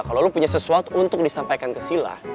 kalau lo punya sesuatu untuk disampaikan ke sila